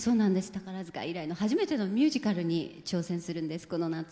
宝塚以来の初めてのミュージカルに挑戦するんですこの夏。